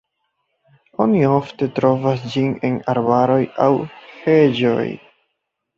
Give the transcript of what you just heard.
Oni ofte trovas ĝin en arbaroj aŭ heĝoj.